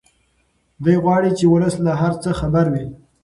دی غواړي چې ولس له هر څه خبر وي.